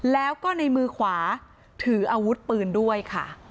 แล้วก็ในมือขวาถืออาวุธปืนด้วยค่ะ